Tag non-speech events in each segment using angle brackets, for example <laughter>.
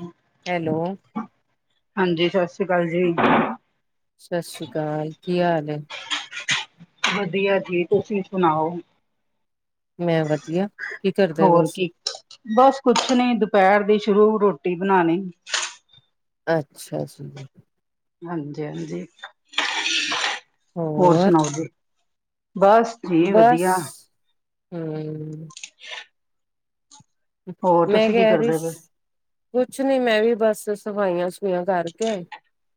ਹੂੰ ਹੈਲੋ ਹਾਂਜੀ, ਸਤਿ ਸ੍ਰੀ ਅਕਾਲ ਜੀ। ਸਤਿ ਸ੍ਰੀ ਅਕਾਲ, ਕੀ ਹਾਲ ਏ? ਵਧੀਆ ਜੀ ਤੁਸੀਂ ਸੁਣਾਓ। ਮੈਂ ਵਧੀਆ ਕੀ ਕਰਦੇ ਪਏ ਹੋਰ ਸੀ? ਕੀ ਬਸ ਕੁਛ ਨੀ, ਦੁਪਹਿਰ ਦੀ ਸ਼ੁਰੂ ਰੋਟੀ ਬਣਾਂਣੀ। ਅੱਛਾ ਜੀ। ਹਾਂਜੀ-ਹਾਂਜੀ ਹੋਰ ਸੁਣਾਓ ਜੀ ਬਸ ਜੀ ਬਸ ਵਧੀਆ ਹੂੰ <inaudible> ਹੋਰ ਮੈਂ ਤੁਸੀਂ ਕੀ ਕਹਿ ਰਹੀ ਕਰਦੇ ਪਏ ਸੀ। ਕੁਛ ਨੀ ਮੈਂ ਵੀ ਬਸ ਸਫਾਈਆਂ ਸਫੂਈਆਂ ਕਰਕੇ,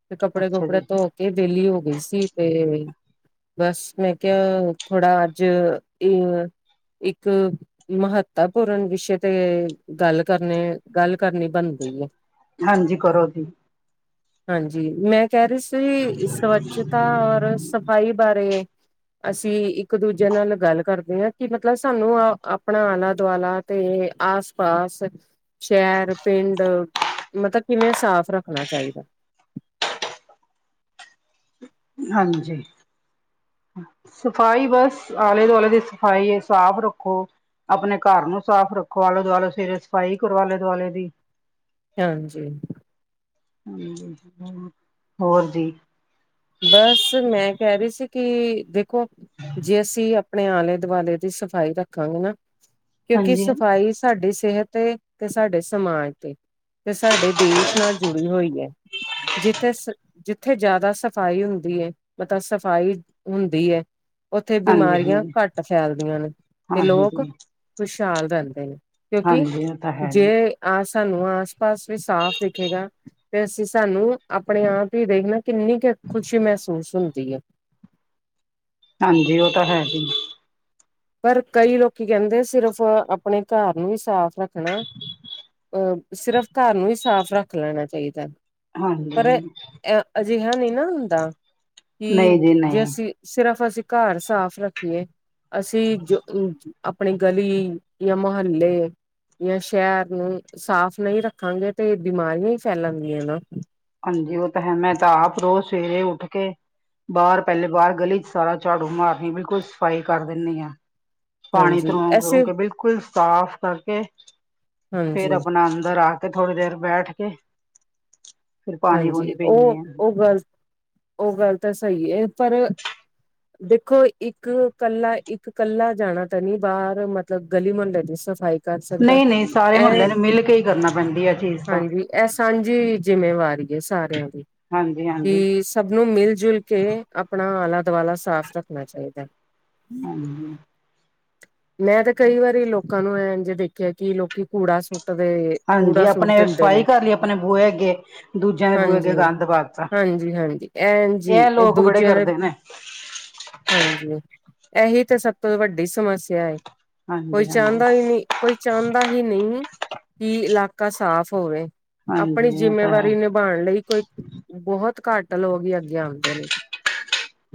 ਤੇ ਕੱਪੜੇ ਅੱਛਾ ਜੀ ਕੁਪੜੇ ਧੋ ਏ ਵਹਿਲੀ ਹੋ ਗਈ ਸੀ ਤੇ ਬਸ ਮੈਂ ਕਿਹਾ ਥੋੜਾ ਅੱਜ ਇਹ ਇੱਕ ਮਹੱਤਵਪੂਰਨ ਵਿਸ਼ੇ ਤੇ ਗੱਲ ਕਰਨੇ ਗੱਲ ਕਰਨੀ ਬਣਦੀ ਏ। ਹਾਂਜੀ ਕਰੋ ਜੀ। ਹਾਂਜੀ ਮੈਂ ਕਹਿ ਰਹੀ ਸੀ ਸਵੱਛਤਾ ਔਰ ਸ ਸਫਾਈ ਬਾਰੇ ਅਸੀਂ ਇੱਕ ਦੂਜੇ ਨਾਲ ਗੱਲ ਕਰਦੇ ਹਾਂ। ਕਿ ਮਤਲਬ ਸਾਨੂੰ ਆਪਣਾ ਆਲਾ- ਦੁਆਲਾ ਤੇ ਆਸ ਪਾਸ ਸ਼ਹਿਰ ਪਿੰਡ ਮਤਲਬ ਕਿਵੇਂ ਸਾਫ਼ ਰੱਖਣਾ ਚਾਹੀਦਾ? ਹਾਂਜੀ ਸਫ਼ਾਈ ਬਸ ਆਲੇ ਦੁਆਲੇ ਦੀ ਸਫ਼ਾਈ ਹੈ ਸਾਫ਼ ਰੱਖੋ। ਆਪਣੇ ਘਰ ਨੂੰ ਸਾਫ਼ ਰੱਖੋ। ਆਲੇ ਦੁਆਲੇ ਸਵੇਰੇ ਸਫ਼ਾਈ ਕਰਵਾ ਆਲੇ ਦੁਆਲੇ ਦੀ। ਹਾਂਜੀ ਹੋਰ ਜੀ। ਬਸ ਮੈਂ ਕਹਿ ਰਹੀ ਸੀ, ਕਿ ਦੇਖੋ ਜੇ ਅਸੀ ਆਪਣੇ ਆਲੇ ਦੁਆਲੇ ਦੀ ਸਫ਼ਾਈ ਰੱਖਾਂਗੇ ਨਾ, ਕਿਉਂਕਿ ਹਾਂਜੀ ਸਫ਼ਾਈ ਸਾਡੀ ਸਿਹਤ ਤੇ- ਤੇ ਸਾਡੇ ਸਮਾਜ ਤੇ- ਤੇ ਸਾਡੇ ਦੇਸ਼ ਨਾਲ ਜੁੜੀ ਹੋਈ ਹੈ। ਜਿੱਥੇ- ਜਿੱਥੇ ਜ਼ਿਆਦਾ ਸਫ ਸਫ਼ਾਈ ਹੁੰਦੀ ਹੈ, ਮਤਲਬ ਸਫ਼ਾਈ ਹੁੰਦੀ ਹੈ। ਉੱਥੇ ਹਾਂਜੀ ਬਿਮਾਰੀਆਂ ਹਾਂਜੀ ਘੱਟ ਫੈਲਦੀਆਂ ਨੇ, ਤੇ ਲੋਕ ਹਾਂਜੀ ਖੁਸ਼ਹਾਲ ਰਹਿੰਦੇ ਨੇ। ਕਿਉਂਕਿ ਹਾਂਜੀ ਉਹ ਤਾਂ ਹੈ ਨੀ ਜੇ ਆਹ ਸਾਨੂੰ ਆਸ ਪਾਸ ਵੀ ਸਾਫ਼ ਦਿਖੇਗਾ। ਤੇ ਅਸੀਂ ਸਾਨੂੰ ਆਪਣੇ ਆਪ ਹੀ ਦੇਖ ਨਾ ਕਿੰਨੀ ਕੁ ਖੁਸ਼ੀ ਮਹਿਸੂਸ ਹੁੰਦੀ ਹੈ। ਹਾਂਜੀ ਉਹ ਤਾਂ ਹੈ ਹੀ। ਪਰ ਕਈ ਲੋਕੀ ਕਹਿੰਦੇ ਸਿਰਫ਼ ਆਪਣੇ ਘਰ ਨੂੰ ਵੀ ਸਾਫ਼ ਰੱਖਣਾ। ਅਹ ਸਿਰਫ਼ ਘਰ ਨੂੰ ਹੀ ਸਾਫ਼ ਰੱਖ ਲੈਣਾ ਚਾਹੀਦਾ ਐ। ਹਾਂਜੀ ਪਰ ਅ ਅਜਿਹਾ ਨਹੀਂ ਨਾ ਹੁੰਦਾ ਕਿ ਨਹੀਂ ਜੀ ਜੇ ਨਹੀਂ ਅਸੀਂ ਸਿਰਫ ਅਸੀਂ ਘਰ ਸਾਫ਼ ਰੱਖੀਏ। ਅਸੀਂ ਜੋ ਅ ਆਪਣੀ ਗਲੀ ਜਾਂ ਮੁਹੱਲੇ, ਜਾਂ ਸ਼ਹਿਰ ਨੂੰ ਸਾਫ਼ ਨਹੀਂ ਰੱਖਾਂਗੇ ਤੇ ਬਿਮਾਰੀਆਂ ਹੀ ਫੈਲਣ ਗੀਆਂ ਨਾ, ਹਾਂਜੀ ਉਹ ਤਾਂ ਹੈ ਮੈਂ ਤਾਂ ਆਪ ਰੋਜ ਸਵੇਰੇ ਉੱਠ ਕੇ, ਬਾਹਰ ਪਹਿਲੇ ਬਾਹਰ ਗਲੀ ਚ ਸਾਰਾ ਝਾੜੂ ਮਾਰਨੀ ਬਿਲਕੁਲ ਸਫ਼ਾਈ ਕਰ ਦਿੰਦੀ ਹਾਂ, ਪਾਣੀ ਹਾਂਜੀ ਤਰੋਂ ਤਰੋਂ ਐਸੇ ਕੇ ਬਿਲਕੁਲ ਸਾਫ਼ ਕਰਕੇ ਫਿਰ ਹਾਂਜੀ ਆਪਣਾ ਅੰਦਰ ਆ ਕੇ ਤੇ ਥੋੜੀ ਦੇਰ ਬੈਠ ਕੇ ਫਿਰ ਪਾਣੀ ਹਾਂਜੀ ਪੂਣੀ ਪੀਂਦੇ ਉਹ ਹਾਂ ਉਹ ਗੱਲ ਉਹ ਗੱਲ ਤਾਂ ਸਹੀ ਹੈ ਪਰ, ਦੇਖੋ ਇੱਕ ਕੱਲਾ ਇੱਕ ਕੱਲਾ ਜਾਣਾ ਤਾਂ ਨੀ ਬਾਹਰ ਮਤਲਬ ਗਲੀ ਮੁਹੱਲੇ ਦੀ ਸਫ਼ਾਈ, ਕਰ ਸਕਦਾ ਨਹੀਂ ਨਹੀਂ ਸਾਰੇ ਮੁਹੱਲੇ ਇਹ ਨੂੰ ਮਿਲ ਕੇ ਹੀ ਕਰਨਾ ਪੈਂਦੀ ਆ ਚੀਜ਼ ਤਾਂ, ਹਾਂਜੀ ਇਹ ਸਾਂਝੀ ਜਿੰਮੇਵਾਰੀ ਹੈ ਸਾਰਿਆਂ ਦੀ ਹਾਂਜੀ ਹਾਂਜੀ ਕਿ ਸਭ ਨੂੰ ਮਿਲ ਜੁਲ ਕੇ ਆਪਣਾ ਆਲਾ ਦੁਆਲਾ ਸਾਫ਼ ਰੱਖਣਾ ਚਾਹੀਦਾ ਹੈ,, ਹਾਂਜੀ, ਮੈਂ ਤੇ ਕਈ ਵਾਰੀ ਲੋਕਾਂ ਨੂੰ ਐਜ ਦੇਖਿਆ ਕਿ ਲੋਕੀ ਕੂੜਾ ਸੁਟ ਦੇ ਹਾਂਜੀ ਕੂੜਾ ਸੂਟ ਆਪਣੇ ਦਿੰਦੇ ਸਫਾਈ ਨੇ, ਕਰ ਲਈ ਆਪਣੇ ਬੂਯੇ ਅਗੇ ਦੂਜਿਆਂ ਦੇ ਬੂਹੇ ਅੱਗੇ ਹਾਂਜੀ। ਗੰਦ ਪਾ ਦਿੱਤਾ ਹਾਂਜੀ-ਹਾਂਜੀ ਐਂਜ ਈ ਇਹ ਲੋਕ ਬੜੇ ਦੂਜਿਆਂ ਦੇ ਕਰਦੇ ਨੇ ਹਾਂਜੀ ਇਹੀ ਤਾਂ ਸਭ ਤੋਂ ਵੱਡੀ ਸਮੱਸਿਆ ਹੈ ਕੋਈ ਹਾਂਜੀ ਹਾਂਜੀ ਚਾਹੁੰਦਾ ਹੀ ਨਹੀਂ ਕੋਈ ਚਾਹੁੰਦਾ ਹੀ ਨਹੀਂ ਏ, ਕਿ ਇਲਾਕਾ ਸਾਫ਼ ਹੋਵੇ ਆਪਣੀ ਹਾਂਜੀ ਉਹ ਤਾਂ ਜਿੰਮੇਵਾਰੀ ਹੈ ਨੀਬਾਉਣ ਲਈ ਕੋਈ ਬਹੁਤ ਘੱਟ ਲੋਕ ਹੀ ਅੱਗੇ ਆਉਂਦੇ ਨੇ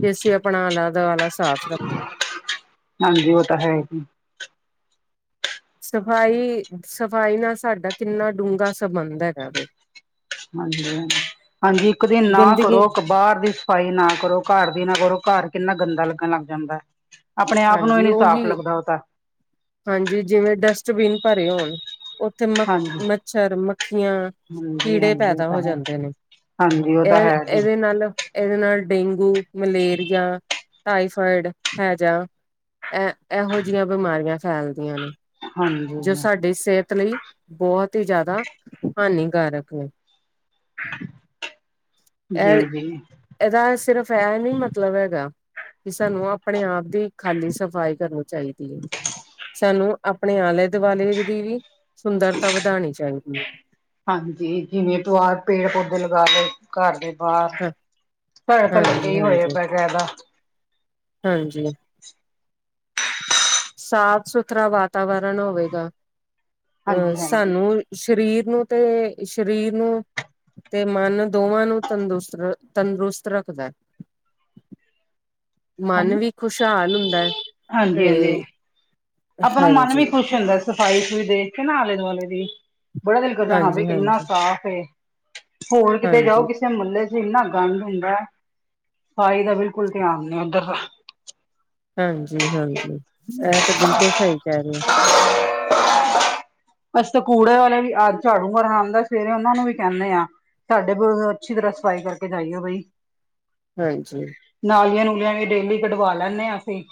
ਕਿ ਅਸੀਂ ਆਪਣਾ ਆਲਾਦਾ ਵਾਲਾ ਸਾਫ਼ ਰੱਖਣਾ, ਹਾਂਜੀ ਉਹ ਤਾਂ ਹੈ ਹੀ, ਸਫ਼ਾਈ ਸਫ਼ਾਈ ਨਾਲ ਸਾਡਾ ਕਿੰਨਾ ਡੂੰਘਾ ਸੰਬੰਧ ਹੈਗਾ ਬ, ਹਾਂਜੀ ਹਾਂ ਹਾਂਜੀ ਇੱਕ ਦਿਨ ਨਾ ਗੰਦਗੀ ਕਰੋ, ਬਾਹਰ ਦੀ ਸਫ਼ਾਈ ਨਾ ਕਰੋ ਘਾਰ ਦੀ ਨਾ ਕਰੋ ਘਾਰ ਕਿੰਨਾ ਗੰਦਾ ਲੱਗਣ ਲੱਗ ਜਾਂਦਾ, ਆਪਣੇ ਆਪ ਨੂੰ ਹੀ ਹਾਂਜੀ ਨੀ ਸਾਫ਼ ਉਹੀ ਲੱਗਦਾ ਉਹ ਤਾਂ, ਹਾਂਜੀ ਜਿਵੇਂ ਡਸਟਬਿਨ ਭਰੇ ਹੋਣ, ਉੱਥੇ ਮ ਹਾਂਜੀ ਮੱਛਰ ਮੱਖੀਆਂ ਹਾਂਜੀ ਕੀੜੇ ਹਾਂਜੀ ਉਹ ਪੈਦਾ ਤਾਂ ਹੋ ਹੈ ਜਾਂਦੇ ਨੇ, ਹਾਂਜੀ ਉਹ ਤਾਂ ਹੈ ਜੀ ਇਹਦੇ ਨਾਲ, ਇਹਦੇ ਨਾਲ ਡੇਂਗੂ, ਮਲੇਰੀਆ, ਟਾਈਫੋਇਡ, ਹੈਜਾ, ਇਹ ਇਹੋ ਜਿਹੀਆਂ ਬਿਮਾਰੀਆਂ ਫੈਲਦੀਆਂ ਨੇ ਜੋ ਹਾਂਜੀ ਸਾਡੀ ਸਿਹਤ ਲਈ, ਬਹੁਤ ਹੀ ਜ਼ਿਆਦਾ ਹਾਨੀਕਾਰਕ ਨੇ, ਜੀ ਇਹ ਜੀ ਇਹਦਾ ਸਿਰਫ ਇਹ ਨੀ ਮਤਲਬ ਹੈਗਾ ਵੀ ਸਾਨੂੰ ਆਪਣੇ ਆਪ ਦੀ, ਖਾਲੀ ਸਫ਼ਾਈ ਕਰਨੀ ਚਾਹੀਦੀ ਹੈ, ਸਾਨੂੰ ਆਪਣੇ ਆਲੇ ਦੁਆਲੇ ਦੀ ਵੀ, ਸੁੰਦਰਤਾ ਵਧਾਉਣੀ ਚਾਹੀਦੀ ਹੈ, ਹਾਂਜੀ ਜਿਵੇਂ ਦਵਾਰ ਤੇ ਪੇੜ ਪੌਦੇ ਲਗਾ ਲਏ ਘਰ ਦੇ ਬਾਹਰ ਹਾਂ ਘਰੇ ਤਾਂ ਲੱਗੇ ਹਾਂਜੀ ਹੀ ਹੋਏ ਐ ਹਾਂਜੀ ਬੈਕਾਇਦਾ ਹਾਂਜੀ, ਸਾਫ ਸੁਥਰਾ ਵਾਤਾਵਰਨ ਹੋਵੇਗਾ ਅਹ ਹਾਂਜੀ ਹਾਂਜੀ ਸਾਨੂੰ, ਸਰੀਰ ਨੂੰ ਤੇ ਸਰੀਰ ਨੂੰ, ਤੇ ਮਨ ਦੋਵਾਂ ਨੂੰ ਤੰਦਰੁਸਤ ਤੰਦਰੁਸਤ ਰੱਖਦਾ ਹੈ ਮਨ ਹਾਂਜੀ ਵੀ ਖੁਸ਼ਹਾਲ ਹੁੰਦਾ ਹੈ ਹਾਂਜੀ ਹਾਂਜੀ ਤੇ, ਆਪਣਾ ਮਨ ਵੀ ਹਾਂਜੀ ਖੁਸ਼ ਹੁੰਦਾ ਸਫ਼ਾਈ ਸਫ ਦੇਖ ਕੇ ਨਾ ਆਲੇ ਦੁਆਲੇ ਦੀ, ਬੜਾ ਦਿਲ ਕਰਦਾ ਹਾਂ ਬ ਹਾਂਜੀ ਇੰਨਾ ਹਾਂਜੀ ਸਾਫ਼ ਏ, ਹੋਰ ਕਿਤੇ ਹਾਂਜੀ ਜਾਓ ਕਿਸ, ਮੁਹੱਲੇ ਚ ਇੰਨਾ ਗੰਡ ਹੁੰਦਾ ਸਫਾਈ ਦਾ ਬਿਲਕੁਲ ਧਿਆਨ ਨਹੀਂ ਉੱਧਰ ਦਾ, ਹਾਂਜੀ ਹਾਂਜੀ ਇਹ ਤੇ ਬਿਲਕੁਲ ਸਹੀ ਕਹਿ ਰਿਹੇ ਔ <unintelligible> ਅਸੀ ਤਾਂ ਕੂੜੇ ਵਾਲੇ ਵੀ ਅੱਜ ਝਾੜੂ ਕਰਨਰ ਆਉਂਦਾ ਸਵੇਰੇ ਉਹਨਾਂ ਨੂੰ ਵੀ ਕਹਿੰਦੇ ਆ, ਸਾਡੇ ਬੂਹੇ ਅਗੋ ਅੱਛੀ ਤਰ੍ਹਾਂ ਸਫ਼ਾਈ ਕਰਕੇ ਜਾਈਓ ਬਈ, ਹਾਂਜੀ ਨਾਲੀਆਂ ਨੂਲੀਆਂ ਵੀ ਡੇਲੀ ਕਢਵਾ ਲੈਂਣੇ ਆਂ ਅਸੀਂ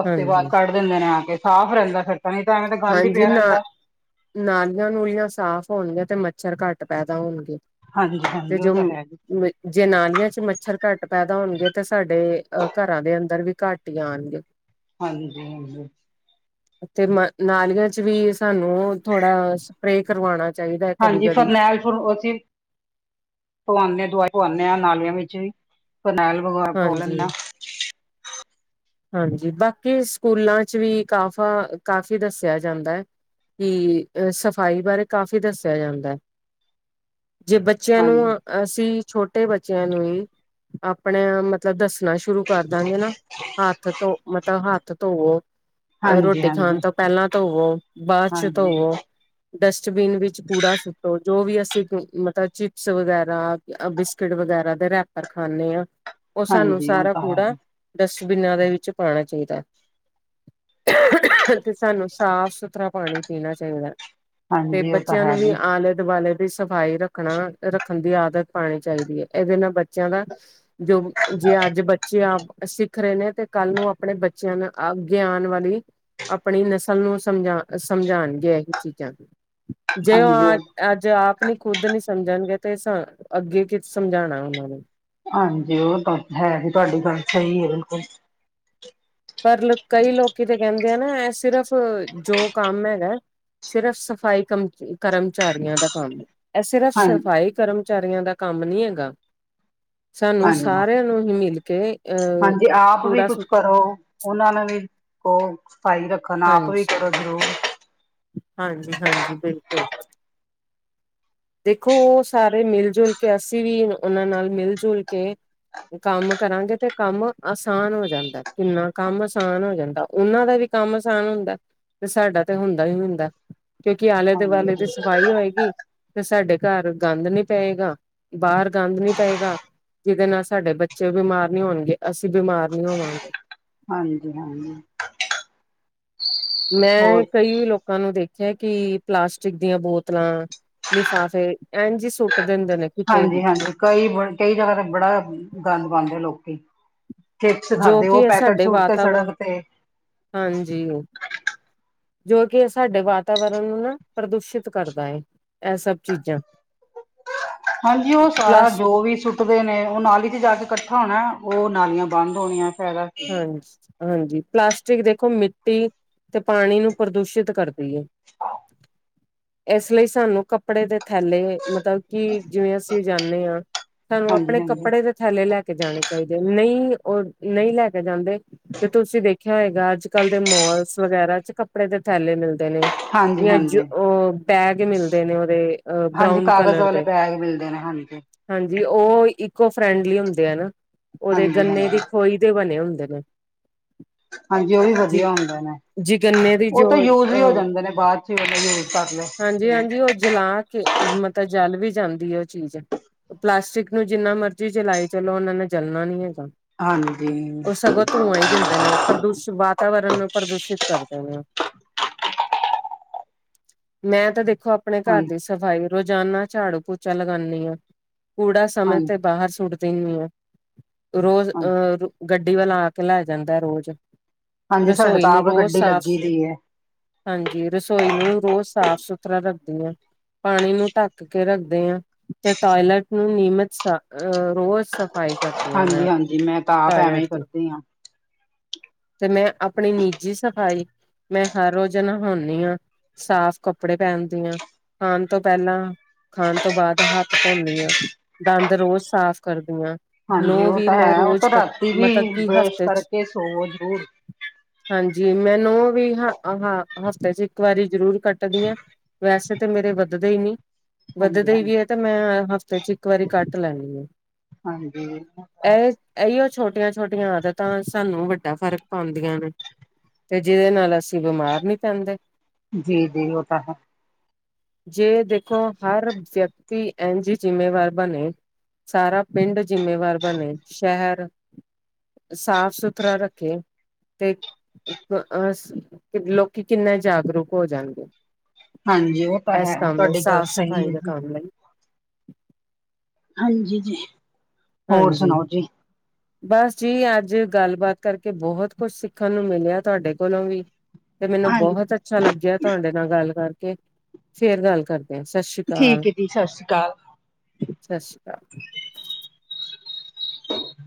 ਹਫ਼ਤੇ ਬਾਦ। ਹਾਂਜੀ ਦਿੰਦੇ ਨੇ ਆ ਕੇ ਸਾਫ਼ ਰੈੰਦਾ ਐ ਫਿਰ। ਤਾਂਈ ਤਾਂ ਐਵੇਂ ਤੇ ਹਾਂਜੀ, ਨਾ ਨਾਲੀਆਂ-ਨੂਲੀਆਂ ਸਾਫ਼ ਹੋਣਗੀਆਂ ਤੇ ਮੱਛਰ ਘੱਟ ਪੈਦਾ ਹੋਣਗੇ। ਹਾਂਜੀ ਤੇ ਹਾਂਜੀ ਉਹ ਜੋ ਤਾਂ ਹੈ ਜੀ ਵੇ ਜੇ ਨਾਲੀਆਂ ਚ ਮੱਛਰ ਘੱਟ ਪੈਦਾ ਹੋਣਗੇ ਤੇ ਸਾਡੇ ਅ ਘਰਾਂ ਦੇ ਅੰਦਰ ਵੀ ਘੱਟ ਹੀ ਆਣਗੇ। ਹਾਂਜੀ, ਹਾਂਜੀ। ਤੇ ਮ ਨਾਲੀਆਂ ਚ ਵੀ ਸਾਨੂੰ ਔ ਥੋੜਾ ਸਪਰੇਅ ਕਰਵਾਣਾ ਚਾਹੀਦਾ ਹੈ ਕਦੀ ਹਾਂਜੀ, ਕਦੀ। ਫਰਨੈਲ ਫੂਰ ਅਸੀਂ ਪਵਾਣੇ ਆਂ, ਦਵਾਈ ਪਵਾਣੇ ਆ ਨਾਲੀਆਂ ਵਿੱਚ ਵੀ। ਫਰਨੈਲ ਵਗੈਰਾ ਪੋਆ ਲੇਣੇ ਹਾਂਜੀ ਆ। ਹਾਂਜੀ, ਬਾਕੀ ਸਕੂਲਾਂ ਚ ਵੀ ਕਾਫਾ ਕਾਫੀ ਦੱਸਿਆ ਜਾਂਦੈ। ਕਿ ਅ ਸਫ਼ਾਈ ਬਾਰੇ ਕਾਫ਼ੀ ਦੱਸਿਆ ਜਾਂਦੈ, ਜੇ ਬੱਚਿਆਂ ਨੂੰ ਆ ਅਸੀਂ ਛੋਟੇ ਬੱਚਿਆਂ ਨੂੰ ਈ ਆਪਣੇ ਆ ਮਤਲਬ ਦੱਸਣਾ ਸ਼ੁਰੂ ਕਰ ਦਾਂਗੇ ਨਾ ਹੱਥ ਧੋ ਮਤਲਬ ਹੱਥ ਧੋਵੋ। ਅ ਹਾਂਜੀ ਰੋਟੀ ਹਾਂਜੀ ਹਾਂਜੀ ਖਾਣ ਤੋਂ ਪੈਲਾਂ ਧੋਵੋ ਬਾਦ ਚ ਹਾਂਜੀ ਧੋਵੋ। ਡਸਟਬੀਨ ਵਿੱਚ ਕੂੜਾ ਸੁੱਟੋ,, ਜੋ ਵੀ ਅਸੀਂ ਮਤਲਬ ਚਿਪਸ ਵਗੈਰਾ ਅ ਬਿਸਕਿਟ ਵਗੈਰਾ ਦੇ ਰੈਪਰ ਖਾਂਣੇ ਆ ਔ ਸਾਨੂੰ ਹਾਂਜੀ ਉਹ ਸਾਰਾ ਤਾਂ ਹੈ ਕੂੜਾ ਜੀ ਬਿਨਾਂ ਦੇ ਵਿੱਚ ਪਾਣਾ ਚਾਈਦੈ। ਤੇ ਸਾਨੂੰ ਸਾਫ-ਸੁਥਰਾ ਪਾਣੀ ਪੀਣਾ ਚਾਈਦੈ। ਫੇਰ ਹਾਂਜੀ ਉਹ ਤਾਂ ਬੱਚਿਆਂ ਹੈ ਨੂੰ ਵੀ ਜੀ ਆਲੇ-ਦੁਆਲੇ ਦੀ ਸਫ਼ਾਈ ਰੱਖਣਾ ਰੱਖਣ ਦੀ ਆਦਤ ਪਾਣੀ ਚਾਈਦੀ ਏ, ਐਦੇ ਨਾਲ ਬੱਚਿਆਂ ਦਾ ਜੋ ਜੇ ਅੱਜ ਬੱਚੇ ਆਪ ਸੀ ਖਰੇ ਨੇ ਤੇ ਕੱਲ ਨੂੰ ਆਪਣੇ ਬੱਚਿਆਂ ਨੂੰ ਅਗੇ ਆਨ ਵਾਲੀ ਆਪਣੀ ਨਸਲ ਨੂੰ ਸਮਝਾ ਸਮਝਾਣਗੇ ਐਹੀ ਚੀਜ਼ਾਂ। ਜੇ ਔ ਹਾਂਜੀ ਆ ਉਹ ਅੱਜ ਆਪ ਨੀ ਖੁੱਦ ਨੀ ਸਮਝਣਗੇ ਤੇ ਸਾ ਅੱਗੇ ਕੀ ਸਮਝਾਣਾ ਔਨਾਂ ਨੇ? ਹਾਂਜੀ ਓਹ ਬਾਤ ਹੈ ਹੀ ਤੁਹਾਡੀ ਗੱਲ ਸਹੀ ਏ ਬਿਲਕੁਲ। ਪਰ ਕਈ ਲੋਕੀ ਤੇ ਕੈੰਦੇ ਆ ਨਾ ਐ ਸਿਰਫ਼ ਜੋ ਕੰਮ ਹੈਗੈ ਸਿਰਫ਼ ਸਫ਼ਾਈ ਕਮ ਕਰਮਚਾਰੀਆਂ ਦਾ ਕੰਮ ਏ। ਐ ਸਿਰਫ ਹਾਂਜੀ ਸਫ਼ਾਈ ਕਰਮਚਾਰੀਆਂ ਦਾ ਕੰਮ ਨੀ ਹੈਗਾ। ਸਾਨੂੰ ਹਾਂਜੀ ਸਾਰਿਆਂ ਨੂੰ ਹੀ ਮਿਲ ਕੇ ਅਹ ਹਾਂਜੀ ਆਪ ਵੀ ਕੂੜਾ ਸੁ ਕੁਛ ਕਰੋ ਔਨਾਂ ਨੂੰ ਵੀ ਕੋ ਸਫਾਈ ਰੱਖਣ ਆਪ ਵੀ ਹਾਂਜੀ ਕਰੋ ਜ਼ਰੂਰ। ਹਾਂਜੀ ਹਾਂਜੀ, ਬਿਲਕੁਲ। ਦੇਖੋ, ਓਹ ਸਾਰੇ ਮਿਲ-ਜੁਲ ਕੇ ਅਸੀਂ ਵੀ ਔਨਾਂ ਨਾਲ ਮਿਲ-ਜੁਲ ਕੇ ਕੰਮ ਕਰਾਂਗੇ ਤੇ ਕੰਮ ਆਸਾਨ ਹੋ ਜਾਂਦੈ। ਕਿੰਨਾ ਕੰਮ ਆਸਾਨ ਹੋ ਜਾਂਦਾ ਓਨਾਂ ਦਾ ਵੀ ਕੰਮ ਆਸਾਨ ਹੁੰਦੈ ਤੇ ਸਾਡਾ ਤੇ ਹੁੰਦਾ ਈ ਹੁੰਦਾ। ਕਿਉਂਕਿ ਆਲੇ-ਦੁਵਾਲੇ ਦੀ ਹਾਂਜੀ ਸਫਾਈ ਹੋਏਗੀ ਫਿਰ ਸਾਡੇ ਘਰ ਗੰਦ ਨੀ ਪਏਗਾ, ਬਾਰ ਗੰਦ ਨੀ ਪਏਗਾ। ਜਿਦੇ ਨਾਲ ਸਾਡੇ ਬੱਚੇ ਬਿਮਾਰ ਨੀ ਹੋਣਗੇ, ਅਸੀਂ ਬਿਮਾਰ ਨੀ ਹੋਵਾਂਗੇ। ਹਾਂਜੀ, ਹਾਂ ਨੀ। ਮੈਂ ਕਈ ਲੋਕ ਲੋਕਾਂ ਨੂੰ ਦੇਖਿਆ ਕਿ ਪਲਾਸਟਿਕ ਦੀਆਂ ਬੋਤਲਾਂ, ਲਿਫਾਫੇ ਐੰਜੀ ਸੂ ਹਾਂਜੀ ਹਾਂਜੀ, ਕਈ ਬ ਕਈ ਜਗ੍ਹਾ ਤੇ ਬੜਾ ਗੰਦ ਪਾਂਦੇ ਲੋਕੀ‌। ਚੀਪਸ ਜੋ ਖਾਧੇ ਕਿ ਓਹ ਇਹ ਪੈਕੇਟ ਸਾਡੇ ਸੂਟ ਤਾ ਵਾਤਾਵਰਨ ਸੜਕ ਤੇ। ਹਾਂਜੀ। ਜੋ ਕਿ ਐ ਸਾਡੇ ਵਾਤਾਵਰਨ ਨੂੰ ਨਾ ਪ੍ਰਦੂਸ਼ਿਤ ਕਰਦਾ ਏ। ਐ ਸਭ ਚੀਜ਼ਾਂ। ਹਾਂਜੀ, ਔ ਸਾਰਾ ਪਲਸ ਜੋ ਵੀ ਸੁੱ ਸੁੱਟਦੇ ਨੇ ਓਹ ਨਾਲੀ ਚ ਜਾ ਕੇ ਕੱਠਾ ਹੋਣੈ, ਓਹ ਨਾਲੀਆਂ ਬੰਦ ਹੋਣੀਆ ਫੇਰ। ਹਾਂਜੀ ਹਾਂਜੀ, ਪਲਾਸਟਿਕ ਦੇਖੋ ਮਿੱਟੀ ਤੇ ਪਾਣੀ ਨੂੰ ਪ੍ਰਦੂਸ਼ਿਤ ਕਰ ਦੀ ਏ, ਏਸ ਲਈ ਸਾਨੂੰ ਕੱਪੜੇ ਦੇ ਥੈਲੇ ਮਤਲਬ ਕਿ ਜਿਵੇਂ ਅਸੀਂ ਜਾਂਨੇ ਆਂ ਸਾਨੂੰ ਹਾਂਜੀ ਆਪਣੇ ਹਾਂਜੀ ਕੱਪੜੇ ਦੇ ਥੈਲੇ ਲੈ ਕੇ ਜਾਣੇ ਚਾਹੀਦੇ ਨਹੀਂ ਉਹ ਨਹੀਂ ਲੈ ਕੇ ਜਾਂਦੇ। ਤੇ ਤੁਸੀਂ ਦੇਖਿਆ ਹੋਏਗਾ ਅੱਜ ਕੱਲ ਦੇ ਮੋਲਸ ਵਗੈਰਾ ਚ ਕੱਪੜੇ ਦੇ ਥੈਲੇ ਮਿਲਦੇ ਨੇ। ਹਾਂਜੀ ਜਾਂ ਜੋ ਹਾਂਜੀ ਉਹ ਬੈਗ ਮਿਲਦੇ ਨੇ ਉਹਦੇ ਹਾਂਜੀ ਬਰਾਾਊਨ ਕਾਗਜ਼ ਕਲਰ ਵਾਲੇ ਦੇ। ਬੈਗ ਮਿਲਦੇ ਨੇ ਹਾਂਜੀ ਹਾਂਜੀ ਉਹ ਇਕੋ ਫਰੈਂਡਲੀ ਹੁੰਦੇ ਐ ਨਾ, ਉਹਦੇ ਹਾਂਜੀ ਗੰਨੇ ਦੀ ਹਾਂਜੀ ਖੋਈ ਤੇ ਬਣੇ। ਦੇ ਹੁੰਦੇ ਨੇ। ਹਾਂਜੀ ਉਹ ਵੀ ਜ ਵਧੀਆ ਹੁੰਦੇ ਨੇ। ਜੀ ਗੰਨੇ ਦੀ ਉਹ ਤੇ ਜੋ ਯੂਜ ਵੀ ਹੋ ਅਹ ਜਾਂਦੇ ਨੇ ਬਾਅਦ ਚ ਹੀ ਉਹਨੂੰ ਯੂਜ ਕਰ ਲਿਆ। ਹਾਂਜੀ-ਹਾਂਜੀ ਉਹ ਜਲਾ ਕੇ ਮਤਲਬ ਜਲ ਵੀ ਜਾਂਦੀ ਹੈ ਉਹ ਚੀਜ਼। ਪਲਾਸਟਿਕ ਨੂੰ ਜਿੰਨਾ ਮਰਜ਼ੀ ਜਲਾਏ ਚਲੋ ਉਹਨਾਂ ਨੇ ਜਲਣਾ ਨੀ ਹੈਗਾ। ਹਾਂਜੀ। ਹਾਂ ਉਹ ਸਗੋਂ ਧੂੰਆਂ ਹੀ ਦਿੰਦੇ ਨੇ ਪ੍ਰਦੂਸ਼ਿਤ ਵਾਤਾਵਰਨ ਨੂੰ ਪ੍ਰਦੂਸ਼ਿਤ ਕਰਦੇ ਨੇ। ਮੈਂ ਤਾਂ ਦੇਖੋ ਆਪਣੇ। ਆਪਣੇ ਘਰ ਦੀ ਸਫ਼ਾਈ ਰੋਜ਼ਾਨਾ ਝਾੜੂ ਪੋਚਾ ਲਗਾਉਂਦੀ ਹਾਂ ਕੂੜਾ ਸਮੇਂ ਤੇ ਹਾਂਜੀ ਬਾਹਰ ਸੁੱਟਦੀ। ਆ ਰੋਜ਼ ਹਾਂਜੀ ਅਹ ਗੱਡੀ ਵਾਲਾ ਆ ਕੇ ਲੈ ਜਾਂਦਾ ਰੋਜ਼। ਹਾਂਜੀ ਸਾਡੇ ਰਸੋਈ ਤਾਂ ਨੂੰ ਆਪ ਰੋਜ਼ ਗੱਡੀ ਸਾਫ਼। ਲੱਗੀ ਦੀ ਹੈ ਹਾਂਜੀ ਰਸੋਈ ਨੂੰ ਰੋਜ਼ ਸਾਫ ਸੁਥਰਾ ਰੱਖਦੀ ਆ। ਪਾਣੀ ਨੂੰ ਢੱਕ ਕੇ ਰੱਖਦੇ ਹਾਂ, ਤੇ ਟੋਇਲਟ ਨੂੰ ਨਿਯਮਿਤ ਸਾਫ ਅਹ ਰੋਜ਼ ਸਾਫ। ਸਫਾਈ ਕਰਦੀ ਹਾਂ ਮੈਂ। ਜਿਵੇੈਂ ਮੈਂ ਤਾਂ ਆਪ ਐਵੇਂ ਹੀ ਟੋਏਲੇਟ ਤੇ ਕਰਦੀ <inaudible> ਤੇ ਮੈਂ ਆਪਣੀ ਨਿੱਜੀ ਸਫ਼ਾਈ ਮੈਂ ਹਰ ਰੋਜ਼ ਨਹਾਉਂਦੀ ਹਾਂ। ਸਾਫ਼ ਕੱਪੜੇ ਪਹਿਨ ਦੀਆਂ ਖਾਣ ਤੋਂ ਪਹਿਲਾਂ। ਖਾਣ ਤੋਂ ਬਾਅਦ ਹੱਥ ਧੋਦੀ ਹਾਂ ਦੰਦ ਰੋਜ਼ ਸਾਫ਼ ਕਰਦੀ ਆ। ਹਾਂਜੀ ਉਹ ਤਾਂ ਹੈ ਉਹ ਤਾਂ ਰਾਤੀ ਵੀ ਕਿ ਬਰੱਸ਼ ਹਫ਼ਤੇ ਚ ਕਰਕੇ ਸੋਵੋ ਜ਼ਰੂਰ। ਹਾਂਜੀ ਮੈਨੂੰ ਵੀ ਹ ਹ ਹਫ਼ਤੇ ਚ ਇੱਕ ਵਾਰੀ ਜ਼ਰੂਰ। ਕੱਟਦੀ ਹਾਂ ਵੈਸੇ ਤਾਂ ਮੇਰੇ ਵੱਧਦੇ ਹੀ ਨੀ ਹਾਂਜੀ ਵੱਧਦੇ ਹੀ ਹਾਂਜੀ ਵੀ ਹੈ ਤੇ ਮੈਂ ਹਫ਼ਤੇ ਚ ਇਕ ਇੱਕ ਵਾਰੀ ਕੱਟ ਲੈਣੀ ਹੈ, ਹਾਂਜੀ ਉਹ ਤਾਂ ਹੈ ਇਹ ਇਹੀਓ ਇਕ। ਛੋਟੀਆਂ ਛੋਟੀਆਂ ਆਦਤਾਂ ਸਾਨੂੰ ਵੱਡਾ ਫ਼ਰਕ ਪਾਉਂਦੀਆਂ ਨੇ। ਤੇ ਜਿਹਦੇ ਨਾਲ ਅਸੀਂ ਬਿਮਾਰ ਨਹੀਂ‌ ਪੈਂਦੇ। ਜੀ ਜੀ ਉਹ ਤਾਂ ਹੈ। ਜੇ ਦੇਖੋ ਹਰ ਵਿਅਕਤੀ ਇੰਝ ਈ ਜਿੰਮੇਵਾਰ ਬਣੇ। ਸਾਰਾ ਪਿੰਡ ਜਿੰਮੇਵਾਰ ਬਣੇ, ਸ਼ਹਿਰ। ਸਾਫ ਸੁਥਰਾ ਰੱਖੇ। ਤੇ ਆ ਲੋਕੀ ਕਿੰਨੇ ਜਾਗਰੂਕ ਹੋ ਜਾਣਗੇ। ਹਾਂਜੀ ਉਹ ਤਾਂ ਐਸ ਹੈ ਕੰਮ ਲਈ ਤੁਹਾਡੀ ਗੱਲ ਸਾਫ਼ ਸਹੀ ਸਫ਼ਾਈ ਹੈ ਦੇ ਜੀ ਕੰਮ ਲਈ। ਹਾਂਜੀ ਜੀ ਜੀ ਹਾਂਜੀ। ਹ <inaudible> ਬਸ ਜੀ ਅੱਜ ਗੱਲਬਾਤ ਕਰਕੇ ਬਹੁਤ ਕੁਛ ਸਿੱਖਣ ਨੂੰ ਮਿਲਿਆ ਤੁਹਾਡੇ ਕੋਲੋਂ ਵੀ। ਤੇ ਮੈਨੂੰ ਹਾਂਜੀ ਬਹੁਤ ਅੱਛਾ ਲੱਗਿਆ ਤੁਹਾਡੇ ਨਾਲ ਗੱਲ ਕਰਕੇ ਫੇਰ ਗੱਲ ਕਰਦੇ ਆਂ, ਸਤਿ ਸ਼੍ਰੀ ਅਕਾਲ। ਠੀਕ ਹੈ ਜੀ ਸਤਿ ਸ਼੍ਰੀ ਅਕਾਲ। ਸਤਿ ਸ੍ਰੀ ਕਾਲ। ਹ <inaudible> <inaudible>